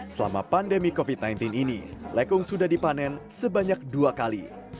selama pandemi covid sembilan belas ini lekung sudah dipanen sebanyak dua kali